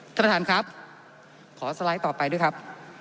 ท่านประธานครับขอสไลด์ต่อไปด้วยครับ